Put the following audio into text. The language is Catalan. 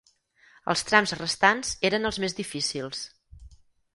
Els trams restants eren els més difícils.